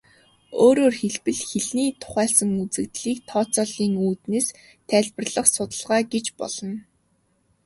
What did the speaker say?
Өөрөөр хэлбэл, хэлний тухайлсан үзэгдлийг тооцооллын үүднээс тайлбарлах судалгаа гэж болно.